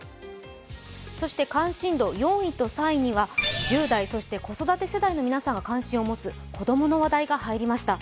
関心度４位と３位には１０代、そして子育て世代の皆さんが関心を持つ子供の話題が入りました。